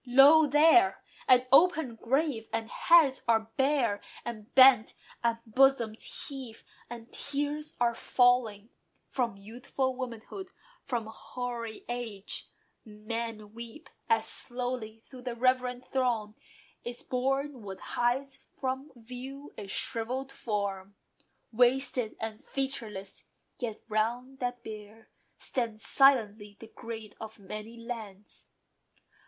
Lo! there, an open grave! and heads are bare, And bent; and bosoms heave, and tears are falling From youthful womanhood, from hoary age. Men weep, as slowly through the reverent throng Is borne what hides from view a shrivelled form, Wasted and featureless: yet round that bier Stand silently the great of many lands.